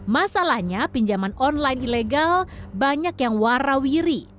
masalahnya pinjaman online ilegal banyak yang warawiri